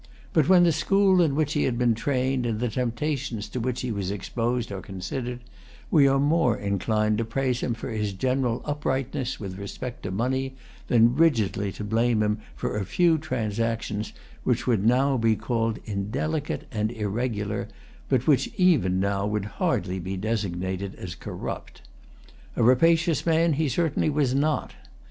But when the school in which he had been trained and the temptations to which he was exposed are considered, we are more inclined to praise him for his general uprightness with respect to money, than rigidly to blame him for a few transactions which would now be called indelicate and irregular, but which even now would hardly be designated as corrupt. A rapacious man he certainly was not.